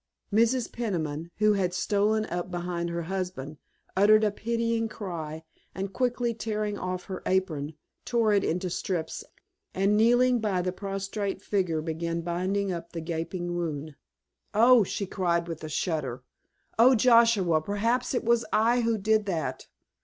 Mrs. Peniman, who had stolen up behind her husband, uttered a pitying cry, and quickly tearing off her apron tore it into strips and kneeling by the prostrate figure began binding up the gaping wound. "Oh," she cried with a shudder, "oh, Joshua, perhaps it was I who did that!